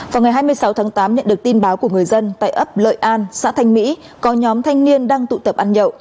vào ngày hai mươi sáu tháng tám nhận được tin báo của người dân tại ấp lợi an xã thanh mỹ có nhóm thanh niên đang tụ tập ăn nhậu